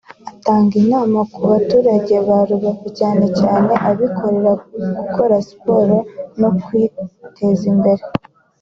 Atanga inama ku baturage ba Rubavu cyane cyane abikorera gukora siporo no kuyiteza imbere